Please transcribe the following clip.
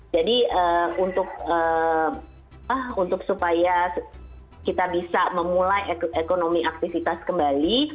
jadi untuk supaya kita bisa memulai ekonomi aktivitas kembali